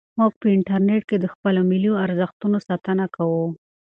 موږ په انټرنیټ کې د خپلو ملي ارزښتونو ساتنه کوو.